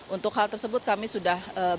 untuk hal tersebut kami sudah